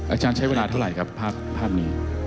อาจารย์ใช้เวลาเท่าไหร่ครับภาพนี้